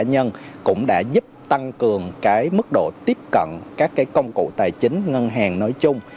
ngân hàng cá nhân cũng đã giúp tăng cường cái mức độ tiếp cận các cái công cụ tài chính ngân hàng nói chung